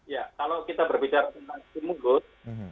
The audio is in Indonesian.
ya kalau kita berbicara tentang stimulus